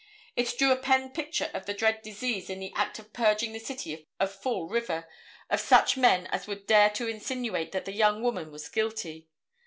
It drew a pen picture of the dread disease in the act of purging the city of Fall River of such men as would dare to insinuate that the young woman was guilty.